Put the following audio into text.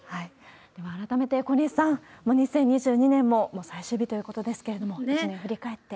では改めて小西さん、もう２０２２年ももう最終日ということですけれども、一年振り返って。